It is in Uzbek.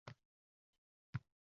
Qamchiqda qor yog‘di, yo‘llar qanday?